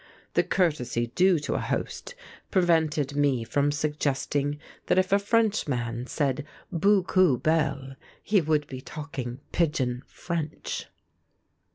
The courtesy due to a host prevented me from suggesting that if a Frenchman said 'beaucoup belle' he would be talking pidgin French.